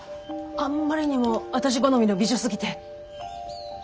あんまりにもあたし好みの美女すぎて！